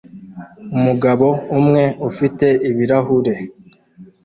Umugabo umwe ufite ibirahure